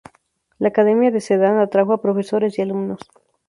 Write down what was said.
La Academia de Sedán atrajo a profesores y alumnos.